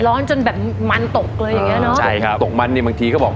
ร้อนจนแบบมันตกเลยอย่างเงี้เนอะใช่ครับตกมันเนี่ยบางทีเขาบอก